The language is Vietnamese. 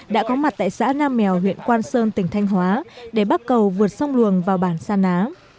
đã có mặt tại xã nam mèo huyện quang sơn tỉnh thanh hóa để bắt cầu vượt sông luồng vào bản sa ná